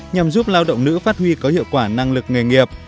nhằm giúp lao động nữ phát huy có hiệu quả năng lực nghề nghiệp